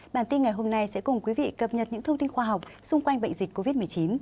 bản tin ngày hôm nay sẽ cùng quý vị cập nhật những thông tin khoa học xung quanh bệnh dịch covid một mươi chín